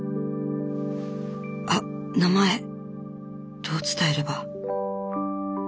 あっ名前どう伝えれば。